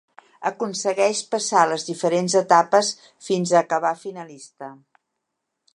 Aconsegueix passar les diferents etapes fins a acabar finalista.